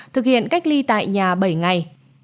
thực hiện cách ly tại nhà bảy ngày